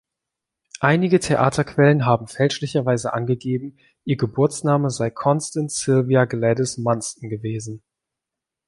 Einge Theaterquellen haben fälschlicherweise angegeben, ihr Geburtsname sei Constance Sylvia Gladys Munston gewesen.